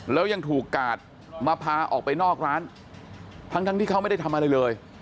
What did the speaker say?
แล้วยังถูกกาดมาพาออกไปนอกร้านทั้งที่เขาไม่ได้ทำอะไรเลย